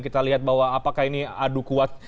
kita lihat bahwa apakah ini adu kuat